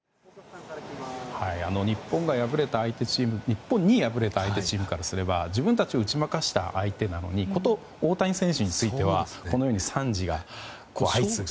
日本に敗れた相手チームからすれば自分たちを打ち負かした相手なのにこと、大谷選手についてはこのように賛辞が相次ぐと。